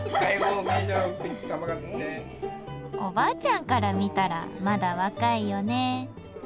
おばあちゃんから見たらまだ若いよね。